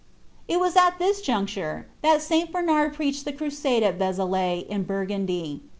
It was at this juncture that Si. Bernard preached the crusade al Xe zalai, in Burgundy.